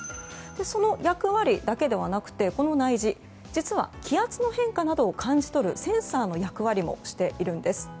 その役割だけではなくてこの内耳実は気圧の変化などを感じ取るセンサーの役割もしています。